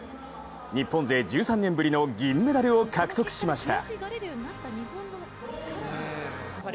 日本勢１３年ぶりの銀メダルを獲得しました。